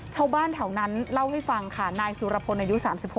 ชาวบ้านแถวนั้นเล่าให้ฟังค่ะนายสุรพลอายุ๓๖